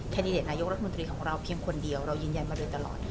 แคนดิเดนงงานของเราเพียงคนเดียวเรายืนยันดีตลอด